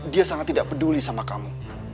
dia sangat tidak peduli sama kamu